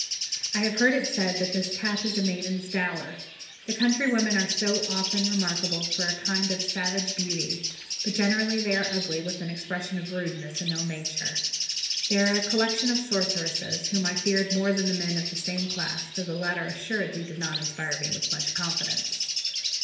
"I have heard it said that this cap is a maiden's dower. The country women are often remarkable for a kind of savage beauty, but generally they are ugly, with an expression of rudeness and ill nature. They are a collection of sorceresses, whom I feared more than the men of the same class, though the latter assuredly did not inspire me with much confidence.